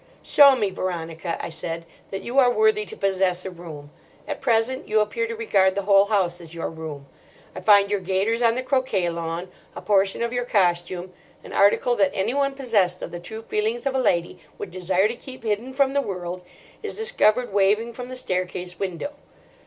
"Show me, Veronica," I said, "that you are worthy to possess a room. At present you appear to regard the whole house as your room. I find your gaiters on the croquet lawn. A portion of your costume—an article that anyone possessed of the true feelings of a lady would desire to keep hidden from the world—is discovered waving from the staircase window."